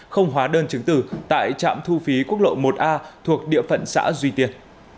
không hóa đơn chứng từ tại trạm thu phí quốc lộ một a thuộc địa phận xã duy tiệt